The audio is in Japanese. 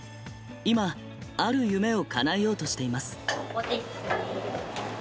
今、ある夢をかなえようとしています。